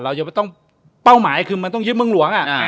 เราจะต้องเป้าหมายคือมันต้องยึดเมืองหลวง